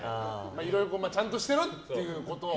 いろいろちゃんとしてるってこと。